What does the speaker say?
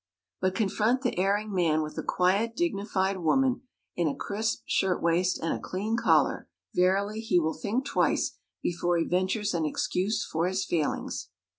But confront the erring man with a quiet, dignified woman in a crisp shirt waist and a clean collar verily he will think twice before he ventures an excuse for his failings.